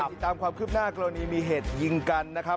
ติดตามความคืบหน้ากรณีมีเหตุยิงกันนะครับ